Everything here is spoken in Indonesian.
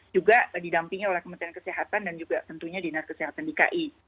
juga didampingi oleh kementerian kesehatan dan juga tentunya dinas kesehatan dki